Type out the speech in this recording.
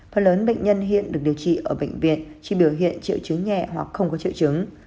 phần lớn bệnh nhân hiện được điều trị ở bệnh viện chỉ biểu hiện triệu chứng nhẹ hoặc không có triệu chứng